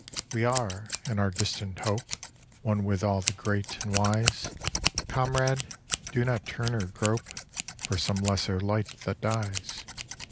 We are, in our distant hope, One with all the great and wise : Comrade, do not turn or grope For some lesser light that dies.